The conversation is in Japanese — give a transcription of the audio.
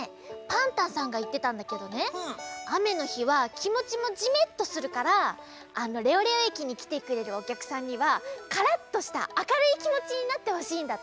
パンタンさんがいってたんだけどねあめのひはきもちもじめっとするからレオレオえきにきてくれるおきゃくさんにはカラッとしたあかるいきもちになってほしいんだって。